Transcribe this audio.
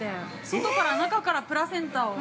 外から中からプラセンタを。